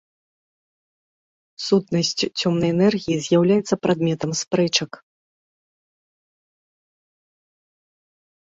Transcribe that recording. Сутнасць цёмнай энергіі з'яўляецца прадметам спрэчак.